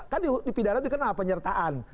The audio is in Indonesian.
kan dipidara dikenal penyertaan